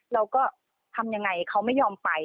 เราก็ทำยังไงเขาไม่ยอมไป